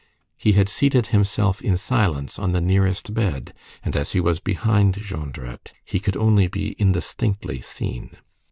He had seated himself in silence on the nearest bed, and, as he was behind Jondrette, he could only be indistinctly seen.